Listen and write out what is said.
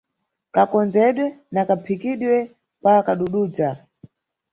Kakondzedwe na kaphikidwe kwa kadududza.